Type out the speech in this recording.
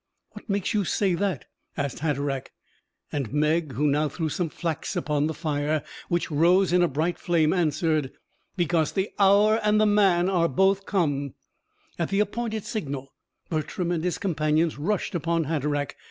"What makes you say that?" asked Hatteraick. And Meg, who now threw some flax upon the fire, which rose in a bright flame, answered: "Because the hour and the man are both come." At the appointed signal, Bertram and his companions rushed upon Hatteraick.